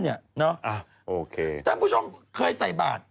ท่านผู้ชมเคยใส่บาท